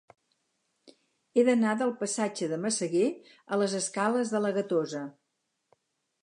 He d'anar del passatge de Massaguer a les escales de la Gatosa.